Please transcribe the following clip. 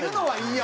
はい。